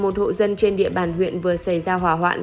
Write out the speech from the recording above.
một hộ dân trên địa bàn huyện vừa xảy ra hỏa hoạn